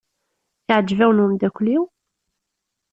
Iɛjeb-awen umeddakel-iw?